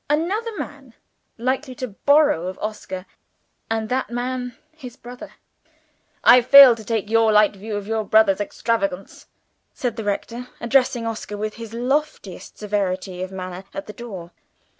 Another man likely to borrow of Oscar and that man his brother! "I fail to take your light view of your brother's extravagance," said the rector, addressing Oscar with his loftiest severity of manner, at the door.